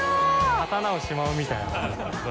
刀をしまうみたいな。